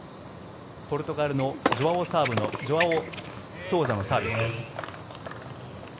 ポルトガルのジョアオ・ソウザのサービスです。